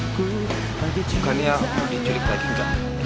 bukannya udah diculik lagi enggak